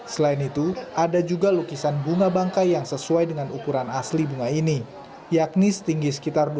selain itu ada juga lukisan bunga bangkai yang sesuai dengan ukuran asli bunga ini yakni setinggi sekitar dua meter